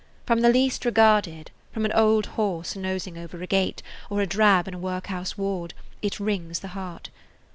From the least regarded, from an old horse nosing over a gate, or a drab in a workhouse ward, it wrings the heart.